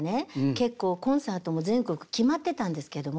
結構コンサートも全国決まってたんですけども。